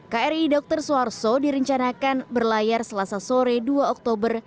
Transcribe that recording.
kri dr suharto direncanakan berlayar selasa sore dua oktober